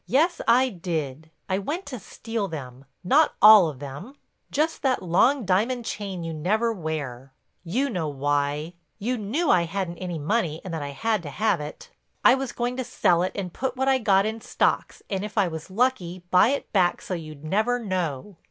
Yes, I did; I went to steal them—not all of them—just that long diamond chain you never wear. You know why; you knew I hadn't any money and that I had to have it. I was going to sell it and put what I got in stocks and if I was lucky buy it back so you'd never know.